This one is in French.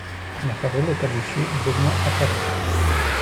La parole est à Monsieur Benoist Apparu.